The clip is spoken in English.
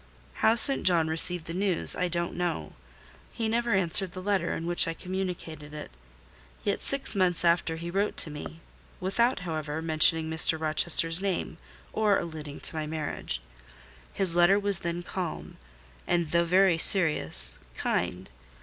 How St. John received the news, I don't know: he never answered the letter in which I communicated it: yet six months after he wrote to me, without, however, mentioning Mr. Rochester's name or alluding to my marriage. His letter was then calm, and, though very serious, kind.